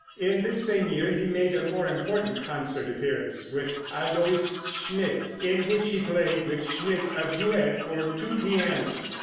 In this same year he made a more important concert appearance with Aloys Schmitt, in which he played with Schmitt a duet for two pianos.